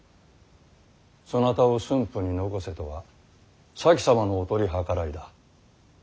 そなたを駿府に残せとは前様のお取り計らいだ。